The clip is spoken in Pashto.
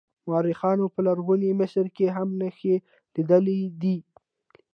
مورخانو په لرغوني مصر کې هم نښې لیدلې دي.